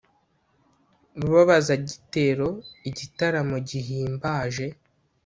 rubabazigitero igitaramo gihimbaje